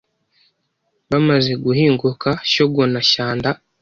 bamaze guhinguka Shyogo na Shyanda